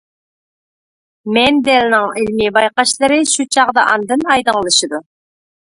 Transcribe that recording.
مېندېلنىڭ ئىلمىي بايقاشلىرى شۇ چاغدا ئاندىن ئايدىڭلىشىدۇ.